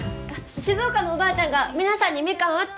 静岡のおばあちゃんが皆さんにミカンをって。